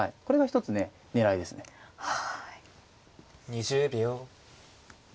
２０秒。